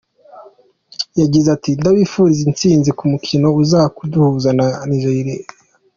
Yagize ati : "Ndabifuriza itsinzi ku mukino uza kuduhuza na Nigeria.